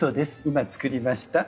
今つくりました。